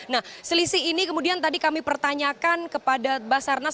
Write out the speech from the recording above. nah selisih ini kemudian tadi kami pertanyakan kepada basarnas